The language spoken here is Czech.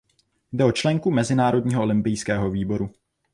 Jde o členku Mezinárodního olympijského výboru.